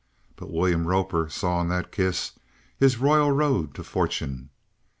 But William Roper saw in that kiss his royal road to Fortune.